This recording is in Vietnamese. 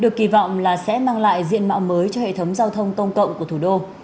được kỳ vọng là sẽ mang lại diện mạo mới cho hệ thống giao thông công cộng của thủ đô